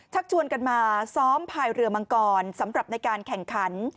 ชวนกันมาซ้อมภายเรือมังกรสำหรับในการแข่งขัน